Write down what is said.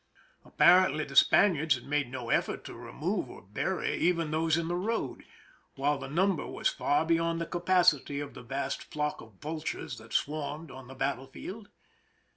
Apparently the Spaniards had made no effort to remove or bury even those in the road, while the number was far beyond the capacity of the vast flock of vultures that swarmed on the battle field.